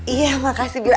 iya makasih bira